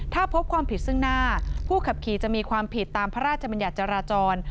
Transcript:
ถ้าพบความผิดซึ่งหน้าผู้ขับขี่จะมีความผิดตามพระราชบัญญัติจราจร